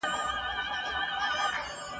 د خپل عقل په کمال وو نازېدلی !.